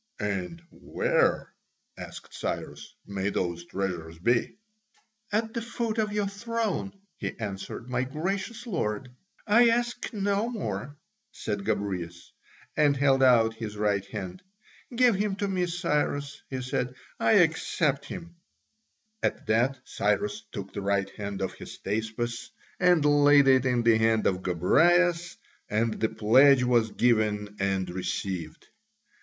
"And where," asked Cyrus, "may those treasures be?" "At the foot of your throne," he answered, "my gracious lord." "I ask no more," said Gobryas, and held out his right hand. "Give him to me, Cyrus," he said; "I accept him." At that Cyrus took the right hand of Hystaspas and laid it in the hand of Gobryas, and the pledge was given and received.